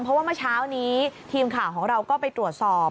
เพราะว่าเมื่อเช้านี้ทีมข่าวของเราก็ไปตรวจสอบ